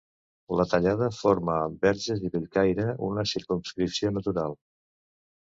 La Tallada forma amb Verges i Bellcaire una circumscripció natural.